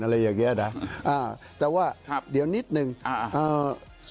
อะไรอย่างเงี้ยนะอ่าแต่ว่าครับเดี๋ยวนิดหนึ่งอ่าเอ่อ